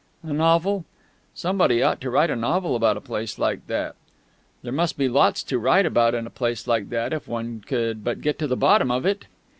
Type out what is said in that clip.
A novel? Somebody ought to write a novel about a place like that! There must be lots to write about in a place like that if one could but get to the bottom of it!